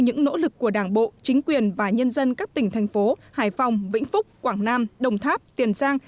những nỗ lực của đảng bộ chính quyền và nhân dân các tỉnh thành phố hải phòng vĩnh phúc quảng nam đồng tháp tiền giang